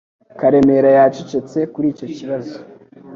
Karemera yacecetse kuri icyo kibazo